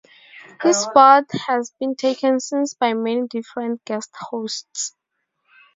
His spot has been taken since by many different guest hosts.